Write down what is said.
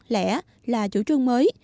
lẽ là chủ trương mới